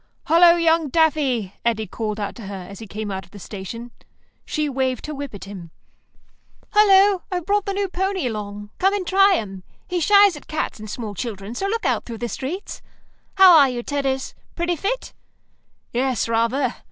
"Hullo, young Daffy," Eddy called out to her, as he came out of the station. She waved her whip at him. "Hullo. I've brought the new pony along. Come and try him. He shies at cats and small children, so look out through the streets. How are you, Tedders? Pretty fit?" "Yes, rather.